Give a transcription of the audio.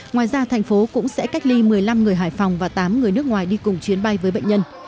ngoài ra thành phố cũng sẽ cách ly một mươi năm người hải phòng và tám người nước ngoài đi cùng chuyến bay với bệnh nhân